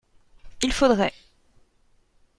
Il faudrait.